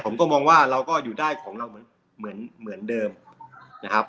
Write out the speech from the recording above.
ผมก็มองว่าเราก็อยู่ได้ของเราเหมือนเหมือนเดิมนะครับ